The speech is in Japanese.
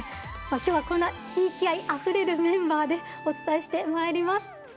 今日はこんな地域愛あふれるメンバーでお伝えしてまいります。